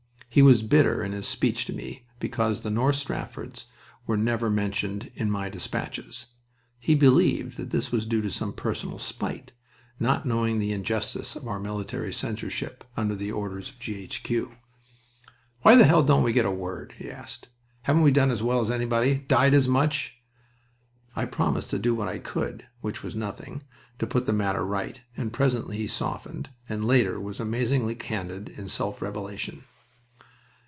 He was bitter in his speech to me because the North Staffords were never mentioned in my despatches. He believed that this was due to some personal spite not knowing the injustice of our military censorship under the orders of G.H.Q. "Why the hell don't we get a word?" he asked. "Haven't we done as well as anybody, died as much?" I promised to do what I could which was nothing to put the matter right, and presently he softened, and, later was amazingly candid in self revelation.